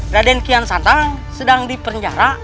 raden kian satang sedang di penjara